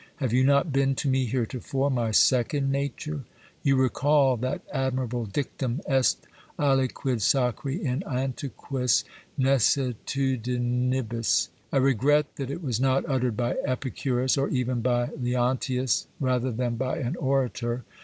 Have you not been to me heretofore my second nature ? You recall that admir able dictum : Est aliquid sacri in antiquis necessitudinibus. I regret that it was not uttered by Epicurus, or even by Leontius, rather than by an orator.